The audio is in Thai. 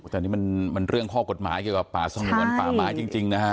แต่นี่มันเรื่องข้อกฎหมายเกี่ยวกับป่าสงวนป่าไม้จริงนะฮะ